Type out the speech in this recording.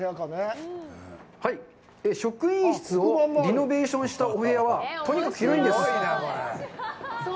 職員室をリノベーションしたお部屋はとにかく広いんです。